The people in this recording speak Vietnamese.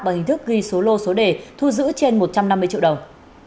bằng hình thức ghi số lô số đề thu giữ trên một trăm năm mươi triệu đồng